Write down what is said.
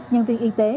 nhân viên y tế